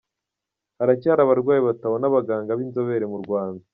Haracyari abarwayi batabona abaganga b’inzobere mu Rwanda